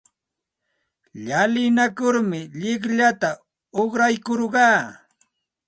Llalinakurmi llikllata uqraykurqaa.